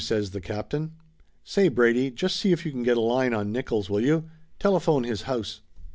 says the captain. "Say, Brady, just see if you can get a line on Nickolls, will you? Tele phone his house